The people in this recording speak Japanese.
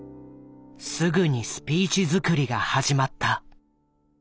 すぐにスピーチづくりが始まった。